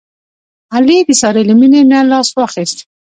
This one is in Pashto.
علي د سارې له مینې نه لاس واخیست.